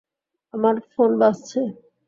আমার ফোন বাজছে।